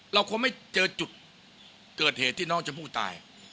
เราคงไม่เจอจุดเกิดเหตุที่น้องชมพู่ตาย